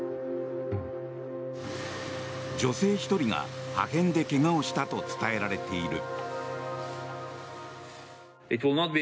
女性１人が破片で怪我をしたと伝えられている。